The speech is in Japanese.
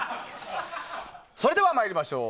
それでは参りましょう！